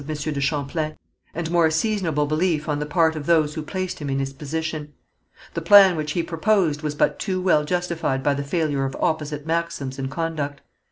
de Champlain, and more seasonable belief on the part of those who placed him in his position. The plan which he proposed was but too well justified by the failure of opposite maxims and conduct."